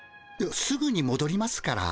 すぐにもどりますから。